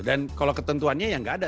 kalau ketentuannya ya nggak ada